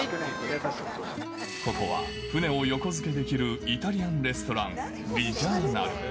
ここは船を横付けできるイタリアンレストラン、リジャーナル。